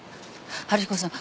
春彦さん